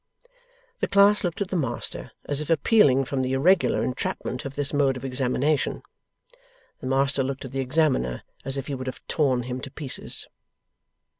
The class looked at the master, as if appealing from the irregular entrapment of this mode of examination. The master looked at the examiner, as if he would have torn him to pieces.